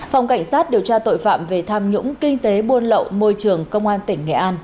phòng cảnh sát điều tra tội phạm về tham nhũng kinh tế buôn lậu môi trường công an tỉnh nghệ an